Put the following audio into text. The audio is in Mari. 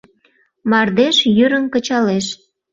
Мардеж йӱрым кычалеш.